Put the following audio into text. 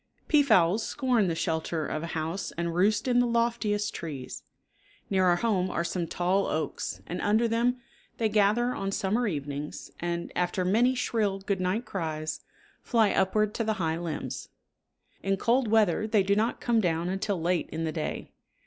Peafowls scorn the shelter of a house and roost in the loftiest trees. Near our home are some tall oaks and under them they gather on summer evenings, and, after many shrill good night cries, fly upward to the high limbs. In cold weather they do not come down until late in the day.